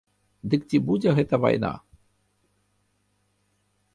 Ды ці будзе гэта вайна?